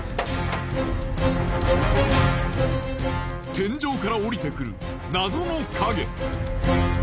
天井から下りてくる謎の影。